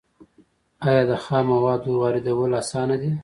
آیا د خامو موادو واردول اسانه دي؟